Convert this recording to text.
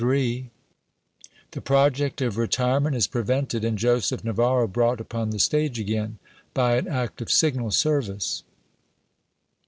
— The project of retirement is prevented, and "Joseph Navarro brought upon the stage again, by an act of signal service.